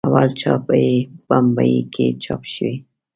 اول چاپ یې په بمبئي کې چاپ شوی.